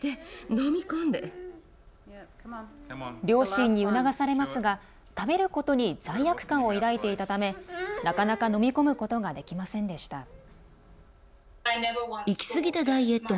両親に促されますが食べることに罪悪感を抱いていたためなかなか飲み込むことができませんでした。